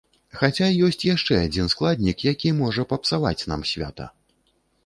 Хаця ёсць яшчэ адзін складнік, які можа папсаваць нам свята.